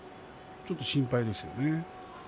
ちょっと心配ですね。